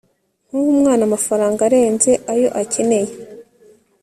ntuhe umwana amafaranga arenze ayo akenewe